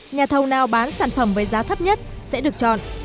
nhà thầu nào bán sản phẩm với giá thấp nhất sẽ được chọn